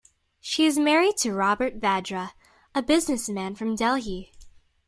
She is married to Robert Vadra, a businessman from Delhi.